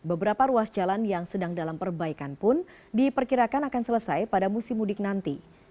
beberapa ruas jalan yang sedang dalam perbaikan pun diperkirakan akan selesai pada musim mudik nanti